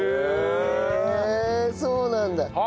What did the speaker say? へえそうなんだ。